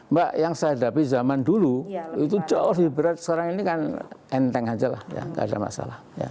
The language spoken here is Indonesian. mbak yang saya hadapi zaman dulu itu jauh lebih berat sekarang ini kan enteng saja tidak ada masalah